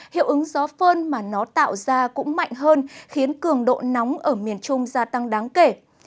hiệu ứng gió phơn mà nó tạo ra cũng mạnh hơn khiến cường độ nóng ở miền trung gia tăng đáng kể